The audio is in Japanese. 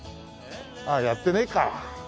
ああやってねえか。